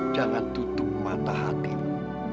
jangan tutup mata hatimu